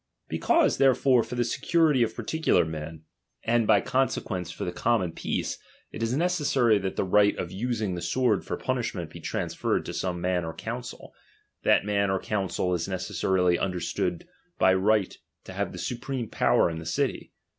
Because, therefore, for the security of parti Thotthaiword *i\ilar men, and, by consequence, for the common iong» whim t*eace, it is necessary that the right of using the ^^Zi cQ.nnn«id. s wv'ord for punishment be transferred to some man Ox council ; that man or council is necessarily un "ierstood by right to have the supreme power in fhe city.